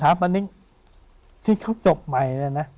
สถาปนิกที่เขาจบใหม่เลยนะ